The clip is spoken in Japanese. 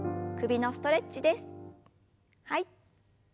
はい。